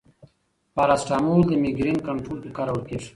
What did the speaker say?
پاراسټامول د مېګرین کنټرول کې کارول کېږي.